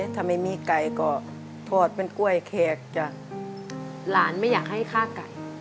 ถ้าไม่มีไก่ก็ทอดเป็นกล้วยแขกจ้ะหลานไม่อยากให้ฆ่าไก่